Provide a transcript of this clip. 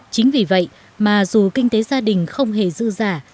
chính vì vậy mà dù kinh tế gia đình không hề dư giả